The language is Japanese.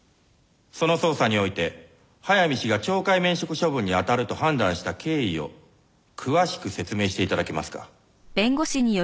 その捜査において早見氏が懲戒免職処分にあたると判断した経緯を詳しく説明して頂けますか？